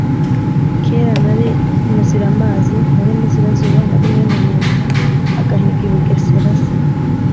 kera nari muziramazi, nari muzirazuba, nari mwene ruringa agahiga i bugesera.” se